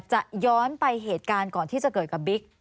ย้อนไปเหตุการณ์ก่อนที่จะเกิดกับบิ๊ก